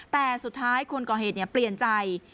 แต่สุดท้ายคนก่อเหตุเปลี่ยนใจ